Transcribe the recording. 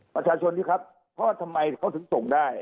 ประชาชนที่ครับเพราะว่าทำไมเขาถึงส่งได้